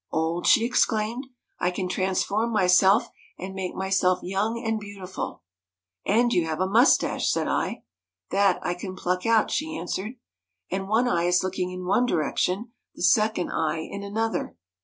' "Old !" she exclaimed, " I can transform myself and make myself young and beautiful." ' "And you have a moustache," said I. " That I can pluck out," she answered. '"And one eye is looking in one direction, the second eye in another."